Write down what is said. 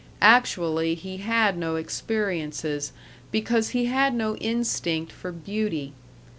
Actually, he had no experiences, because he had no instinct for beauty.